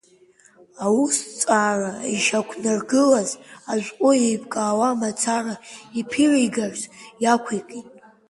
Аусҭҵаара ишьақәнаргылаз ашәҟәы еиԥкаауа мацара иԥиргарц иақәикит.